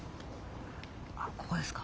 あっここですか。